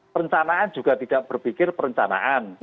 perencanaan juga tidak berpikir perencanaan